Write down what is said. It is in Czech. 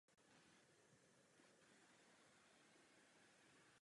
Jako zpěvák začínal v kapele Laura a její tygři.